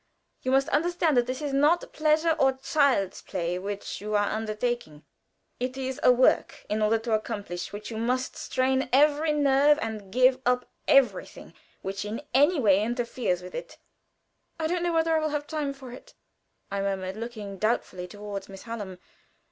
You must understand that it is not pleasure or child's play which you are undertaking. It is a work in order to accomplish which you must strain every nerve, and give up everything which in any way interferes with it." "I don't know whether I shall have time for it," I murmured, looking doubtfully toward Miss Hallam.